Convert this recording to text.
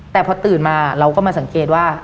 แต่พอตื่นมาเราก็มาสังเกตว่า